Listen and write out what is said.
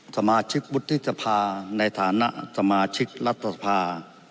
สมาชิกวุฒิสภาในฐานะสมาชิกรัฐสภา